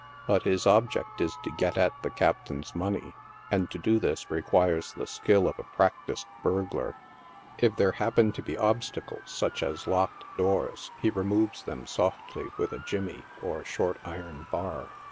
But his object is to get at the captain's money, and to do this requires the skill of a practiced burglar. If there happen to be obstacles, such as locked doors, he removes them sofily with a <; jimmy," or short iron bar.